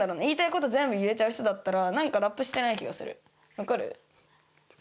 分かる？